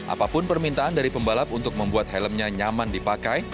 apapun permintaan dari pembalap untuk membuat helmnya nyaman dipakai